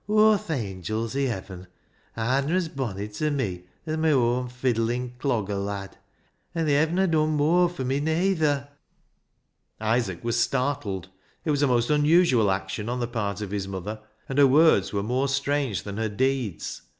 Aw th' angils i' heaven arna as bonny ta me as my oan fiddlin' dogger lad ; an' they hevna done mooar fur me, nayther." Isaac was startled. It was a most unusual action on the part of his mother, and her words were more strange than her deeds.